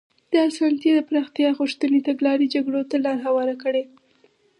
د اسانتي د پراختیا غوښتنې تګلارې جګړو ته لار هواره کړه.